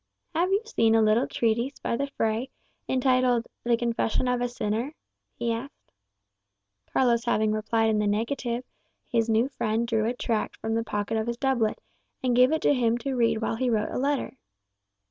"Have you seen a little treatise by the Fray, entitled 'The Confession of a Sinner'?" he asked. Carlos having answered in the negative, his new friend drew a tract from the pocket of his doublet, and gave it to him to read while he wrote a letter.